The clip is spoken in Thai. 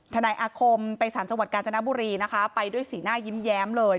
นายอาคมไปสารจังหวัดกาญจนบุรีนะคะไปด้วยสีหน้ายิ้มแย้มเลย